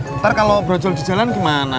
ntar kalo berjual di jalan gimana